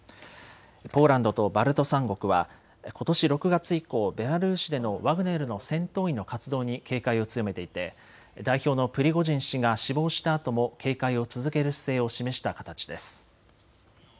ポーランドとバルト三国はことし６月以降、ベラルーシでのワグネルの戦闘員の活動に警戒を強めていて代表のプリゴジン氏が死亡したあとも警戒を続ける姿勢を示した形です。